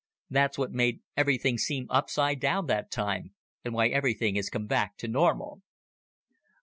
That's what made everything seem upside down that time and why everything has come back to normal."